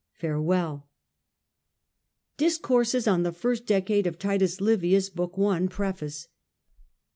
Farewell. DISCOURSES ON THE FIRST DECADE OF TITUS LIVIUS. BOOK I. PREFACE.